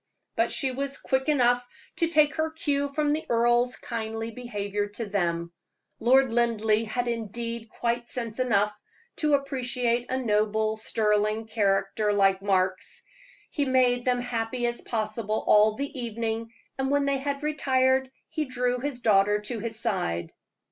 But she was quick enough to take her cue from the earl's kindly behavior to them. Lord Linleigh had indeed quite sense enough to appreciate a noble, sterling character like Mark's. He made them happy as possible all the evening, and when they had retired he drew his daughter to his side.